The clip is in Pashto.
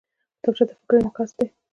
کتابچه د فکر انعکاس دی